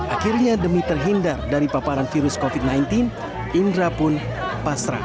akhirnya demi terhindar dari paparan virus covid sembilan belas indra pun pasrah